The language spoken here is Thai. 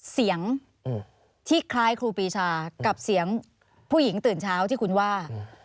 เสียงที่คล้ายครูปีชากับเสียงผู้หญิงตื่นเช้าที่คุณว่า